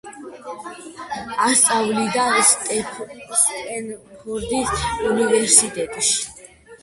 ასწავლიდა სტენფორდის უნვიერსიტეტში.